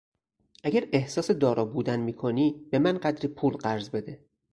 اگر احساس دارا بودن میکنی به من قدری پول قرض بده.